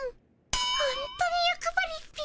ほんとによくばりっピ。